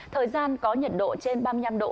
thời gian có nhiệt độ trên ba mươi năm độ